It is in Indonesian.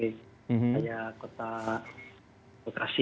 ada kota lokasi